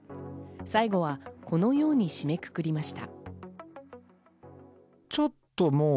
最後はこのように締めくくりました。